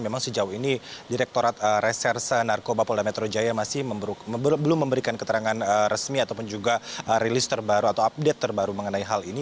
memang sejauh ini direktorat reserse narkoba polda metro jaya masih belum memberikan keterangan resmi ataupun juga rilis terbaru atau update terbaru mengenai hal ini